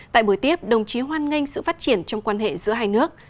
tại buổi tiếp đồng chí hoan nghênh sự phát triển trong quan hệ giữa hai nước